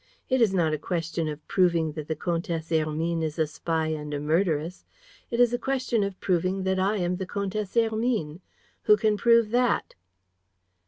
It is not a question of proving that the Comtesse Hermine is a spy and a murderess: it is a question of proving that I am the Comtesse Hermine. Who can prove that?"